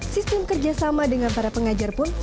sistem kerjasama dengan para pengajar pun